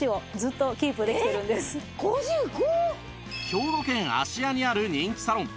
兵庫県芦屋にある人気サロン